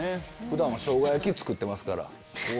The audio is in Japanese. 普段はショウガ焼き作ってますから。